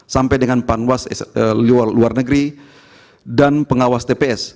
sampai dengan panwas luar negeri dan pengawas tps